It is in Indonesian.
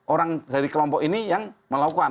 orang dari kelompok ini yang melakukan